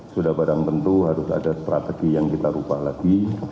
sudah barang tentu harus ada strategi yang kita ubah lagi